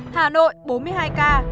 hà nội bốn mươi hai ca